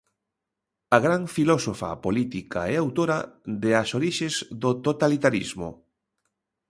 A gran filósofa, política e autora de As orixes do totalitarismo.